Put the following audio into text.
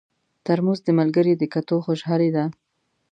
ترموز د ملګري د کتو خوشالي ده.